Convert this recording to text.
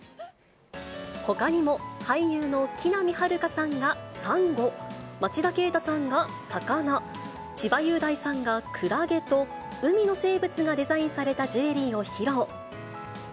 ほかにも、俳優の木南晴夏さんがサンゴ、町田啓太さんが魚、千葉雄大さんがクラゲと、海の生物がデザインされたジュエリーを披露。